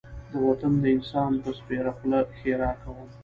د وطن د انسان په سپېره خوله ښېرا کوم.